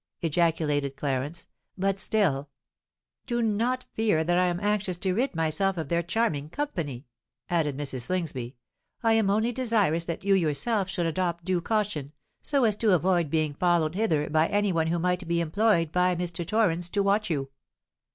ejaculated Clarence. "But still——" "Do not fear that I am anxious to rid myself of their charming company," added Mrs. Slingsby. "I am only desirous that you yourself should adopt due caution, so as to avoid being followed hither by any one who might be employed by Mr. Torrens to watch you."